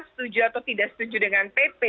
setuju atau tidak setuju dengan pp